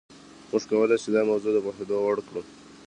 موږ کولای شو دا موضوع د پوهېدو وړ کړو.